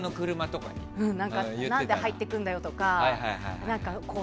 何で入ってくんだよとか。